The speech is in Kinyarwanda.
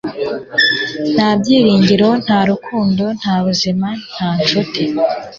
nta byiringiro, nta rukundo, nta buzima, nta nshuti